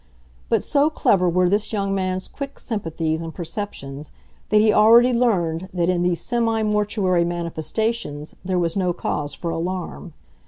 But so clever were this young man's quick sympathies and perceptions that he already learned that in these semi mortuary manifestations there was no cause for alarm.